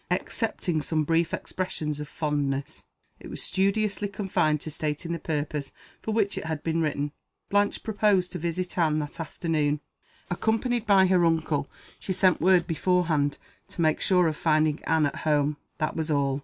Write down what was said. Excepting some brief expressions of fondness, it was studiously confined to stating the purpose for which it had been written. Blanche proposed to visit Anne that afternoon, accompanied by her uncle, she sent word beforehand, to make sure of finding Anne at home. That was all.